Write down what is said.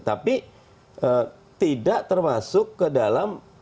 tapi tidak termasuk ke dalam